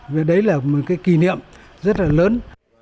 vì đấy là một cái kỷ niệm rất là lớn